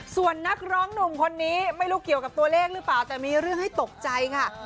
ส่วนนักร้องหนุ่มคนนี้ไม่รู้เกี่ยวกับตัวเลขหรือเปล่าแต่มีเรื่องให้ตกใจค่ะ